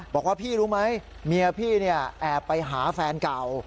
บอกว่าพี่รู้ไหมเมียพี่แอบไปหาแฟนเก่า